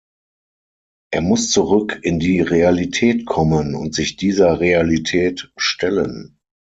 Er muss zurück in die Realität kommen und sich dieser Realität stellen.